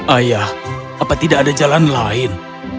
ayah apa tidak ada jalan lain